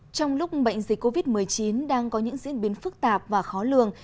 trong lúc bệnh dịch covid một mươi chín đang có những diễn biến phức tạp và khó lường